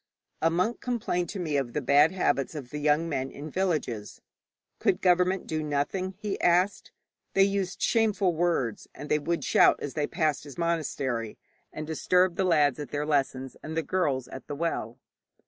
A monk complained to me of the bad habits of the young men in villages. 'Could government do nothing?' he asked. They used shameful words, and they would shout as they passed his monastery, and disturb the lads at their lessons and the girls at the well.